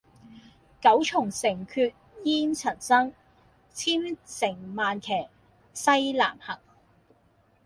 九重城闕煙塵生，千乘萬騎西南行。